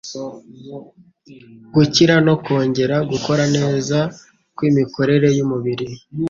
gukira no kongera gukora neza kw’imikorere y’umubiri.